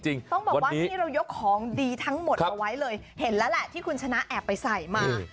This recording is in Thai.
ต้องบอกว่าที่เรายกของดีทั้งหมดเอาไว้เลยเห็นแล้วแหละที่คุณชนะแอบไปใส่มา